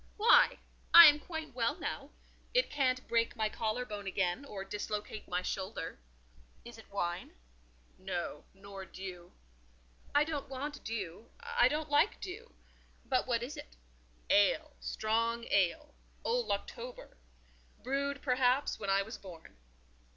"Why? I am quite well now: it can't break my collar bone again, or dislocate my shoulder. Is it wine?" "No; nor dew." "I don't want dew; I don't like dew: but what is it?" "Ale—strong ale—old October; brewed, perhaps, when I was born."